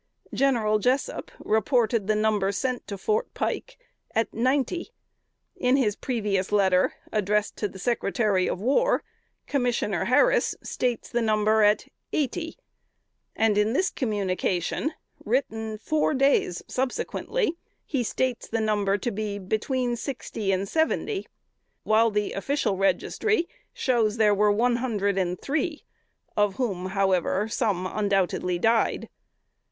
General Jessup reported the number sent to Fort Pike at ninety. In his previous letter, addressed to the Secretary of War, Commissioner Harris states the number at eighty; and in this communication, written four days subsequently, he states the number to be between sixty and seventy; while the official registry shows there was one hundred and three of whom some, however, undoubtedly died.